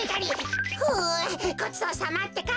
ふうごちそうさまってか。